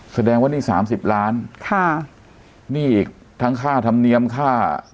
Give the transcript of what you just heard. แสดงว่านี่สามสิบล้านค่ะนี่อีกทั้งค่าธรรมเนียมค่า